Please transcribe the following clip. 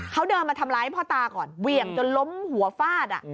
เขาเดินมาทำร้ายพ่อตาก่อนเหวี่ยงจนล้มหัวฟาด